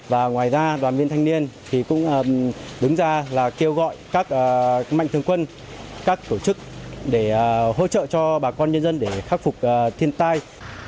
và ngoài ra đoàn viên thanh niên thì cũng đứng ra là kêu gọi các mạnh thường quân các tổ chức để hỗ trợ cho bà con nhân dân để khắc phục thiên tai